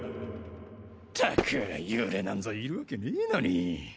ったく幽霊なんぞいるわけねのに。